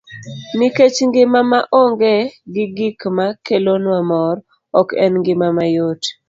Nikech ngima ma onge gi gik ma kelonwa mor, ok en ngima mayot.